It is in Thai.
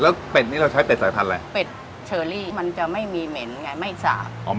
แล้วเป็ดนี้เราใช้เป็ดสายพันธุ์อะไรเป็ดเชอรี่มันจะไม่มีเหม็นไงไม่สาบ